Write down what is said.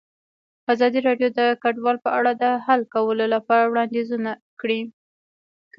ازادي راډیو د کډوال په اړه د حل کولو لپاره وړاندیزونه کړي.